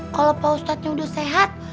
kalau pak ustadznya udah sehat